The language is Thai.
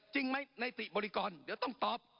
จริงไหมในติบริกรเดี๋ยวต้องตอบ